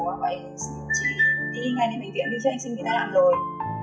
gọi anh đi ngay đến bệnh viện đi chứ anh sinh người ta làm rồi